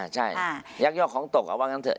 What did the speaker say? ใช่ยักยอกของตกเอาว่างั้นเถ